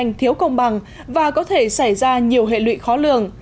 tình trạng thiếu công bằng và có thể xảy ra nhiều hệ lụy khó lường